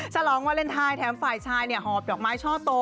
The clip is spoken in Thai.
ลองวาเลนไทยแถมฝ่ายชายหอบดอกไม้ช่อโต